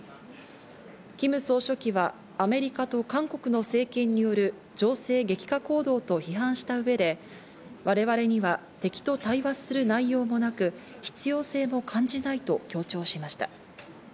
キム総書記はアメリカと韓国の政権による情勢激化行動と批判した上で我々には敵と対話する内容もなく、必要性も感じないと強調しました。